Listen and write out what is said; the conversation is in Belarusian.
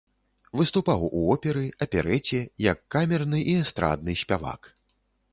Выступаў у оперы, аперэце, як камерны і эстрадны спявак.